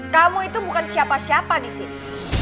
kamu itu bukan siapa siapa di sini